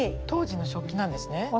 当時の食器なんですね？